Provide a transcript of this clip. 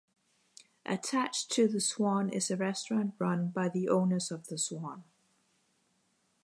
Attached to The Swan is a restaurant run by the owners of The Swan.